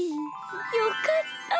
よかった。